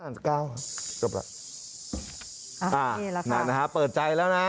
นั้นค่ะเปิดใจแล้วนะ